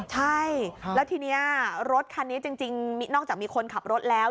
ใช่แล้วทีนี้รถคันนี้จริงนอกจากมีคนขับรถแล้ว